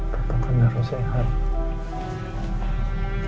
papa kan harus sehat